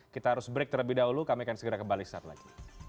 kita harus break terlebih dahulu kami akan segera kembali saat lagi